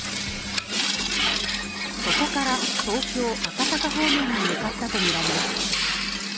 そこから東京・赤坂方面に向かったとみられます。